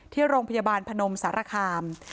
ที่โรงพยาบาลพนมสารคาม